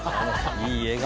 いい笑顔。